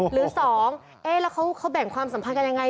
หรือ๒แล้วเขาแบ่งความสัมพันธ์กันยังไง